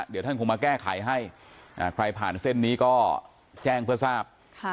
เดี๋ยวท่านคงมาแก้ไขให้ใครผ่านเส้นนี้ก็แจ้งเพื่อทราบ